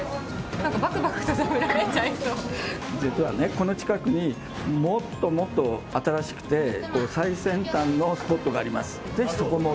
なんかばくばく食べられちゃいそ実はね、この近くにもっともっと新しくて、最先端のスポットがあります。